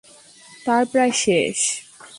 তার প্রায় শেষ।